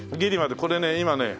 これね今ねいい？